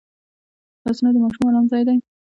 لاسونه د ماشوم ارام ځای دی